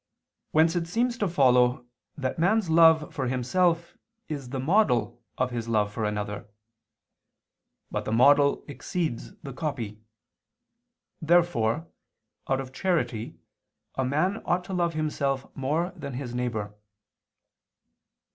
Whence it seems to follow that man's love for himself is the model of his love for another. But the model exceeds the copy. Therefore, out of charity, a man ought to love himself more than his neighbor.